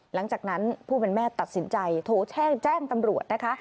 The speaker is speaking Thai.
หลังจากนั้นผู้เป็นแม่ตัดสินใจโทรแจ้งแจ้งตำรวจนะคะ